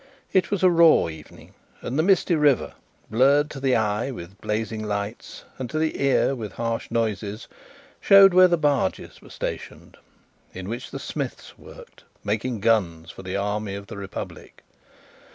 It was a raw evening, and the misty river, blurred to the eye with blazing lights and to the ear with harsh noises, showed where the barges were stationed in which the smiths worked, making guns for the Army of the Republic.